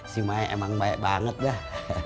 si maya emang banyak banget dah